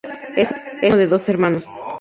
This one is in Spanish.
Es el último de doce hermanos.